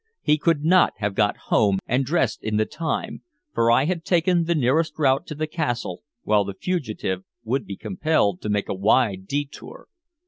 He could not have got home and dressed in the time, for I had taken the nearest route to the castle while the fugitive would be compelled to make a wide detour.